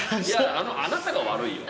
あなたが悪いよ。